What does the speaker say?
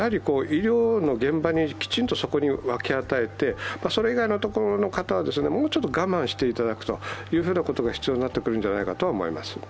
医療の現場にきちんと分け与えて、それ以外の方はもうちょっと我慢していただくことが必要になってくるんじゃないかとは思います。